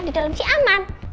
di dalam si aman